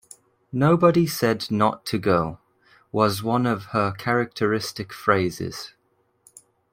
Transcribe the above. "Nobody said not to go" was one of her characteristic phrases.